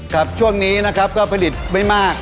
ครับช่วงนี้นะครับก็ผลิตไม่มาก